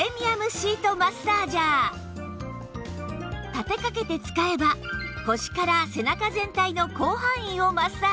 立てかけて使えば腰から背中全体の広範囲をマッサージ